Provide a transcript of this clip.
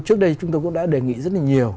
trước đây chúng tôi cũng đã đề nghị rất là nhiều